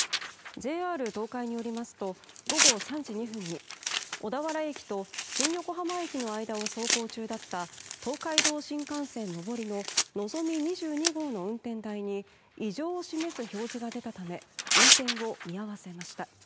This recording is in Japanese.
ＪＲ東海によりますと午後３時２分に小田原駅と新横浜駅の間を走行中だった東海道新幹線上りの「のぞみ２２号」の運転台に異常を示す表示が出たため運転を見合わせました。